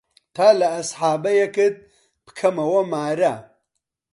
تا لە ئەسحابەیەکت پکەمەوە مارە